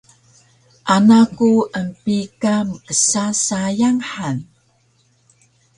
Ana ku empika mksa sayang han